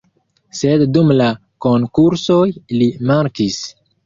Sed dum la konkursoj li mankis.